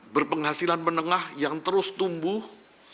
berpenghasilan menengah yang terus tumbuh